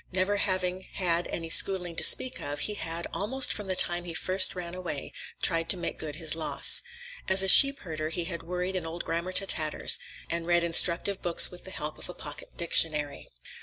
Never having had any schooling to speak of, he had, almost from the time he first ran away, tried to make good his loss. As a sheep herder he had worried an old grammar to tatters, and read instructive books with the help of a pocket dictionary.